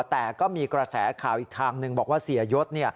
แต่ก็มีกระแสข่าวอีกทางหนึ่งบอกว่าเสียยศ